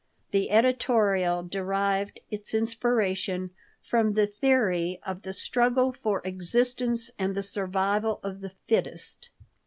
The editorial derived its inspiration from the theory of the Struggle for Existence and the Survival of the Fittest.